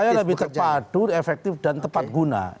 supaya lebih terpadu efektif dan tepat guna